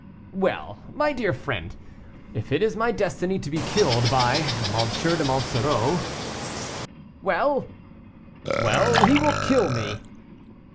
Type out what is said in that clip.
"Well! my dear friend, if it is my destiny to be killed by M. de Monsoreau." "Well!" "Well! he will kill me."